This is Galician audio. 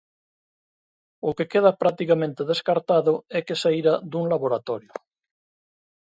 O que queda practicamente descartado é que saíra dun laboratorio.